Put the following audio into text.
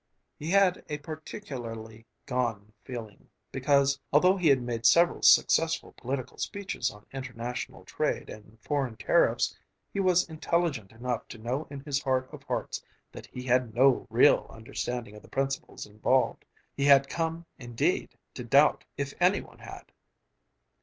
He had a particularly gone feeling because, although he had made several successful political speeches on international trade and foreign tariffs, he was intelligent enough to know in his heart of hearts that he had no real understanding of the principles involved. He had come, indeed, to doubt if any one had!